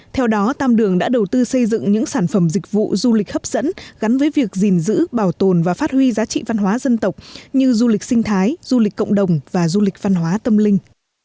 theo đó tam đường đã đầu tư xây dựng những sản phẩm dịch vụ du lịch hấp dẫn gắn với việc gìn giữ bảo tồn và phát huy giá trị văn hóa dân tộc như du lịch sinh thái du lịch cộng đồng và du lịch văn hóa tâm linh